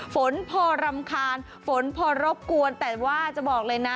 ฝนพอรำคาญฝนพอรบกวนแต่ว่าจะบอกเลยนะ